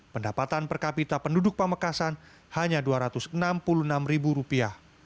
pendapatan per kapita penduduk pamekasan hanya dua ratus enam puluh enam ribu rupiah